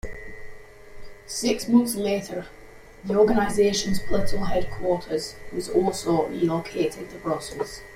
Six months later, the organization's political headquarters was also relocated to Brussels.